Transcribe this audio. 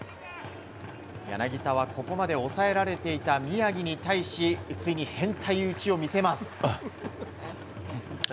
柳田はここまで抑えられていた宮城に対しついに変態打ちを見せます。